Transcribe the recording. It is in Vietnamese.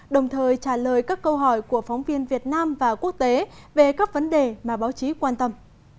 đồng thời trả lời các câu hỏi của phóng viên việt nam và quốc tế về các vấn đề mà báo chí quan tâm